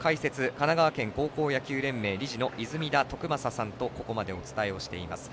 神奈川県高校野球連盟理事の泉田徳正さんとここまでお伝えをしています。